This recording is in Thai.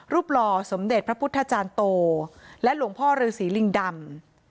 หล่อสมเด็จพระพุทธจารย์โตและหลวงพ่อฤษีลิงดำ